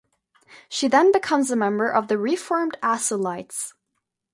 She then becomes a member of the reformed Acolytes.